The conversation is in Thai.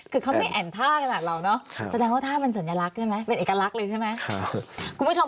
คือเขาไม่แอ่นท่าขนาดเราเนอะแสดงว่าท่ามันสัญลักษณ์ใช่ไหมเป็นเอกลักษณ์เลยใช่ไหม